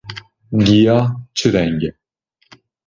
Giya çi reng e?